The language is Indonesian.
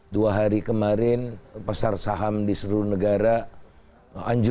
dua hari kemarin pasar saham di seluruh negara anjur